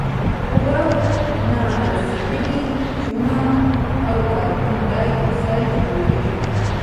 اوبه نارسیدلې چونه او کاربن ډای اکسایډ جوړیږي.